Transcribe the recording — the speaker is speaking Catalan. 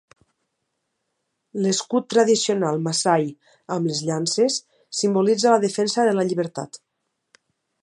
L'escut tradicional massai amb les llances simbolitza la defensa de la llibertat.